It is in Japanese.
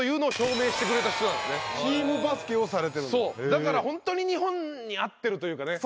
だから本当に日本に合ってるというかね。